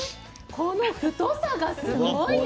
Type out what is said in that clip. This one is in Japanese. この太さがすごいね。